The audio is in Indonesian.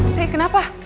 eh riri kenapa